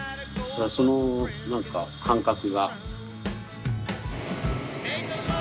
その何か感覚が。